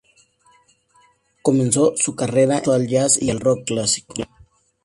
Comenzó su carrera expuesto al Jazz y al Rock clásico.